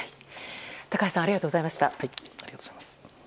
高橋さんありがとうございました。